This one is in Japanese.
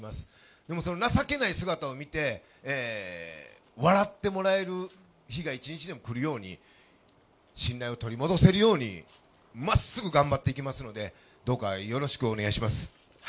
でもその情けない姿を見て、笑ってもらえる日が一日でも来るように、信頼を取り戻せるように、まっすぐ頑張っていきますので、どうかよろしくお願いします。